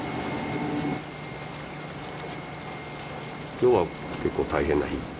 今日は結構大変な日。